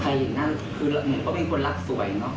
คือเหมือนก็เป็นคนรักสวยเนอะ